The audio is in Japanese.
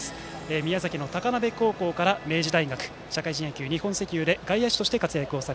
宮崎の高鍋高校から明治大学社会人野球、日本石油で外野手として活躍。